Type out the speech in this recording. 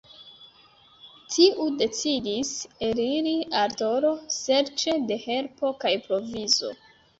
Tiu decidis eliri al Toro serĉe de helpo kaj provizo.